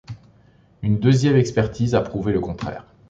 Une deuxième expertise a prouvé le contraire.